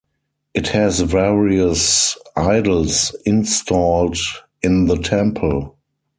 It has various Idols installed in the temple.